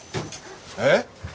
えっ！？